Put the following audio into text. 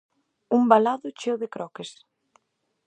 Un valado cheo de croques.